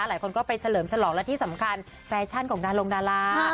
หลายคนก็ไปเฉลิมฉลองและที่สำคัญแฟชั่นของดารงดารา